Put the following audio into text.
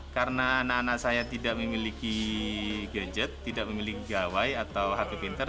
karena anak anak saya tidak memiliki gadget tidak memiliki gawai atau hp pinter